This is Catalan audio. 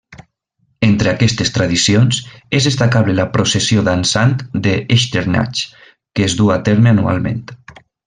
Entre aquestes tradicions, és destacable la Processió dansant d'Echternach, que es duu a terme anualment.